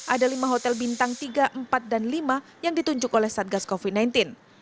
ada lima hotel bintang tiga empat dan lima yang ditunjuk oleh satgas covid sembilan belas